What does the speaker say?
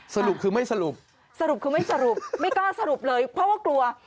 สรุปคือไม่สรุปสรุปคือไม่สรุปไม่กล้าสรุปเลยเพราะว่ากลัว